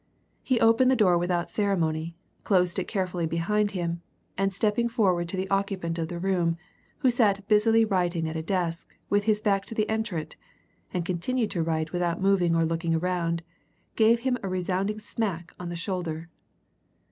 He opened the door without ceremony, closed it carefully behind him, and stepping forward to the occupant of the room, who sat busily writing at a desk, with his back to the entrant, and continued to write without moving or looking round, gave him a resounding smack on the shoulder.